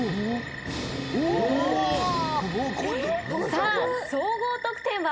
さあ総合得点は。